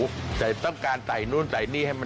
หากจำการใส่โน้นใส่นี่ให้มันแตกต่างจากชาวบ้านเขา